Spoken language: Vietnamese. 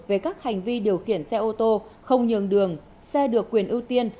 về các hành vi điều khiển xe ô tô không nhường đường xe được quyền ưu tiên